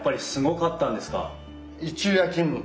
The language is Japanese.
一昼夜勤務。